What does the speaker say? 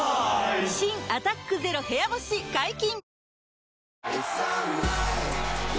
新「アタックＺＥＲＯ部屋干し」解禁‼